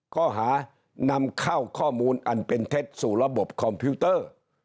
ข้อหานำเข้าข้อมูลอันเป็นเท็จสู่ระบบคอมพิวเตอร์